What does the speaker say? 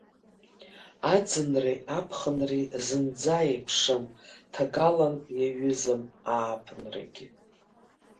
Аӡынреи аԥхынреи зынӡа еиԥшым, ҭагалан иаҩызам ааԥынрагьы.